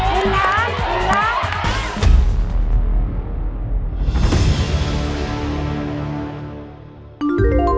หนึ่งล้านหนึ่งล้านหนึ่งล้าน